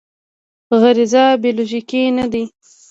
غریزه بیولوژیکي نه دی.